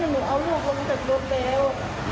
แต่นูมั่นใจละ๑๐๐ว่านูเอาลูกลงจากรถแล้ว